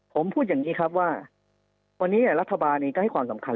ผมพูดอย่างนี้ครับว่าวันนี้รัฐบาลเองก็ให้ความสำคัญ